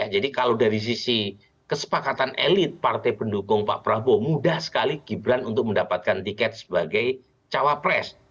jadi kalau dari sisi kesepakatan elit partai pendukung pak prabowo mudah sekali gibran untuk mendapatkan tiket sebagai cawapres